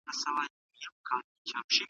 قانون بايد د ټولو لپاره برابر وي.